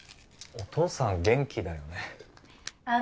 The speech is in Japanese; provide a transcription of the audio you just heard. お父さん元気だよねああ